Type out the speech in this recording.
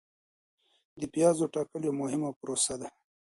د پیازو ټاکل یوه مهمه پروسه ده.